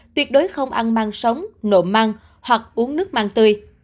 tuyệt đối không ăn măng sống nộm măng hoặc uống nước măng tươi